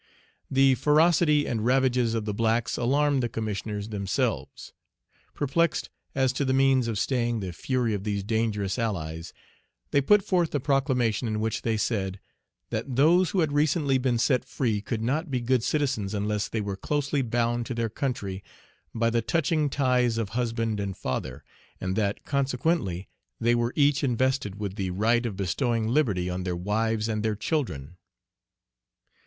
The ferocity and ravages of the blacks alarmed the Commissioners themselves. Perplexed as to the means of staying the fury of these dangerous Page 63 allies, they put forth a proclamation, in which they said, "That those who had recently been set free could not be good citizens unless they were closely bound to their country by the touching ties of husband and father, and that, consequently, they were each invested with the right of bestowing liberty on their wives and their children."